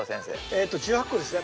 えっと１８個ですね。